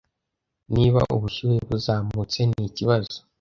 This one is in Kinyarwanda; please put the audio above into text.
Niba ubushyuhe buzamutse ni ikibazo